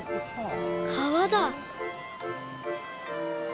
川だ。